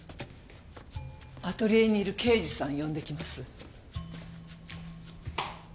アトリエにいる刑事さん呼んできます。